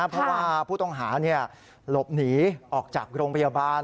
เพราะว่าผู้ต้องหาหลบหนีออกจากโรงพยาบาล